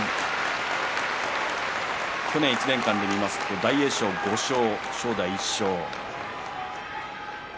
去年１年間で大栄翔５勝正代１勝。